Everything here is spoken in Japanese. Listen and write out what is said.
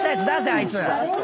あいつ。